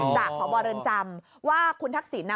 อ๋อจากข้อบริษัทจำว่าคุณทักศิลป์